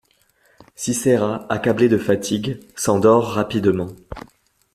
Siséra, accablé de fatigue, s'endort rapidement.